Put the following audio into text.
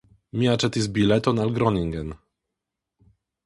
Mi aĉetis bileton al Groningen.